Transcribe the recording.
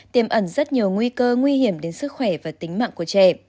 tiềm ẩn rất nhiều nguy cơ nguy hiểm đến sức khỏe và tính mạng của trẻ